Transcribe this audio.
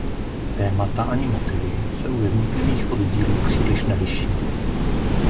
Témata ani motivy se u jednotlivých oddílů příliš neliší.